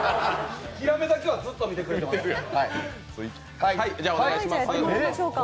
ヒラメだけはずっと見てくれてます。